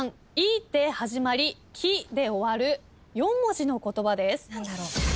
「い」で始まり「き」で終わる４文字の言葉です。